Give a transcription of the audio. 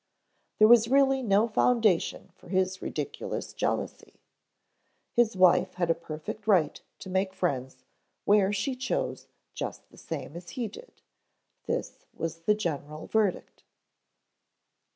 There was really no foundation for his ridiculous jealousy. His wife had a perfect right to make friends where she chose just the same as he did. This was the general verdict.